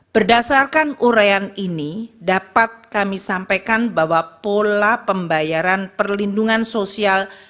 berdasarkan urayan ini dapat kami sampaikan bahwa pola pembayaran perlindungan sosial